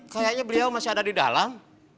kayaknya beliau masih ada di dalam